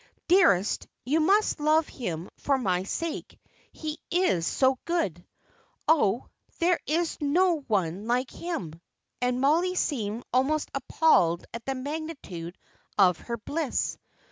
Dearest, you must love him for my sake, he is so good. Oh, there is no one like him!" and Mollie seemed almost appalled at the magnitude of her bliss.